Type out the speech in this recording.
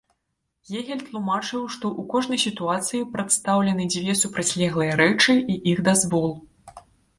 Гегель тлумачыў, што ў кожнай сітуацыі прадстаўлены дзве супрацьлеглыя рэчы і іх дазвол.